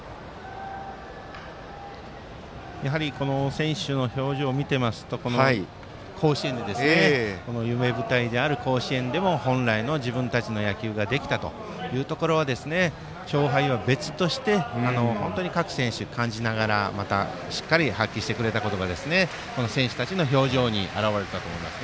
選手の表情を見てますと夢舞台である甲子園でも本来の自分たちの野球ができたところは勝敗は別として本当に各選手感じながら、またしっかり発揮してくれたことが選手たちの表情に表れていると思います。